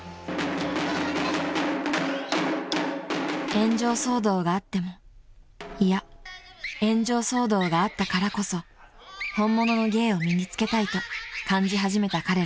［炎上騒動があってもいや炎上騒動があったからこそ本物の芸を身に付けたいと感じ始めた彼ら］